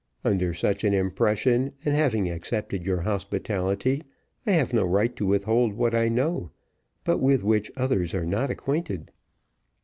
Under such an impression, and having accepted your hospitality, I have no right to withhold what I know, but with which others are not acquainted."